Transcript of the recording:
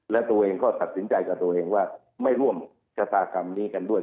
และตัวเองก็ตัดสินใจกับตัวเองว่าไม่ร่วมชะตากรรมนี้กันด้วย